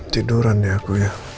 tiduran ya aku ya